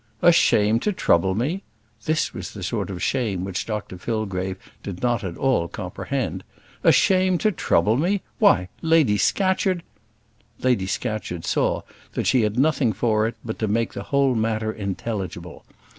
"A shame to trouble me!" This was the sort of shame which Dr Fillgrave did not at all comprehend. "A shame to trouble me! Why Lady Scatcherd " Lady Scatcherd saw that she had nothing for it but to make the whole matter intelligible.